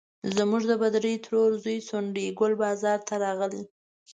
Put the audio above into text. زموږ د بدرۍ ترور زوی ځونډي ګل بازار ته راغلی.